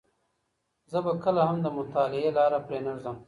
زه به کله هم د مطالعې لاره پرې نه ږدم.